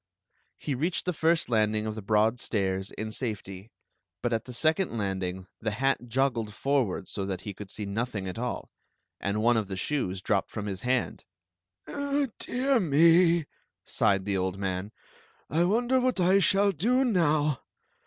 He reached the first landing of the broad stairs in safet/, but at the second landing the hat joggled for ward so that he could see nothing at all, and one of the shoes dropped from his hand. " Dear me !" sighed the old man ;" I wonder what I shall do now?